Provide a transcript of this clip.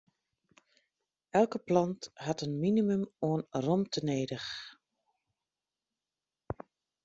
Elke plant hat in minimum oan romte nedich.